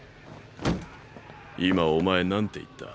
今お前何て言った？